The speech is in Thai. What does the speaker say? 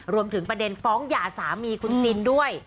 รวมถึงประเด็นฟ้องหย่าสามีคุณจินด้วย